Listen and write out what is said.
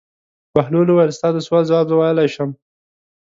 بهلول وویل: ستا د سوال ځواب زه ویلای شم.